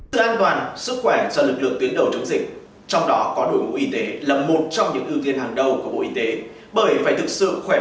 sự an toàn sức khỏe cho lực lượng tuyến đầu chống dịch trong đó có đội ngũ y tế là một trong những ưu tiên hàng đầu của bộ y tế